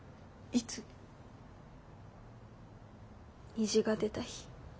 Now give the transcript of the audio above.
虹が出た日。